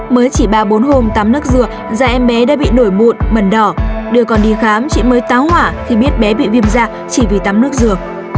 mới chỉ ba bốn hôm tắm nước dừa da em bé đã bị nổi mụn mẩn đỏ đưa con đi khám chỉ mới táo hỏa khi biết bé bị viêm da chỉ vì tắm nước dừa